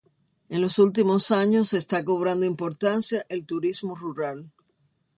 En los últimos años está cobrando importancia el turismo rural.